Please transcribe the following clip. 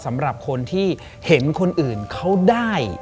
สำหรับคนที่เห็นคนอื่นเขาได้